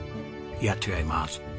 いや違います。